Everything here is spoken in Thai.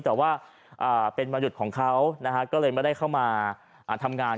แต่ว่าเป็นวันหยุดของเขานะฮะก็เลยไม่ได้เข้ามาทำงาน